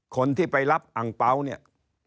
คนที่ไปรับอังเป๋าเนี่ย